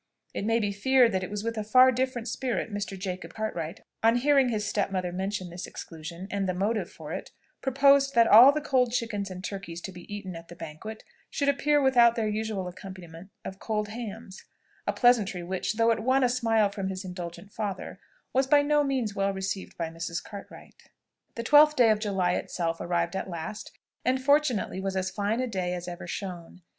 It may be feared that it was with a far different spirit Mr. Jacob Cartwright, on hearing his stepmother mention this exclusion, and the motive for it, proposed that all the cold chickens and turkies to be eaten at the banquet should appear without their usual accompaniment of cold hams, a pleasantry which, though it won a smile from his indulgent father, was by no means well received by Mrs. Cartwright. The twelfth day of July itself arrived at last, and fortunately was as fine a day as ever shone.